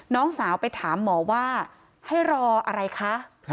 น้องสาวไปถามหมอว่าให้รออะไรคะ